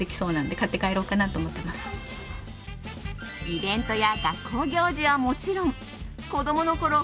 イベントや学校行事はもちろん子供のころ